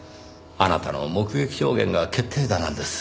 あなたの目撃証言が決定打なんです。